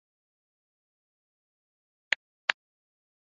在内阁部长和其他部长之下还有助理部长。